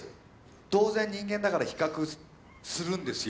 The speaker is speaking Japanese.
当然人間だから比較するんですよ。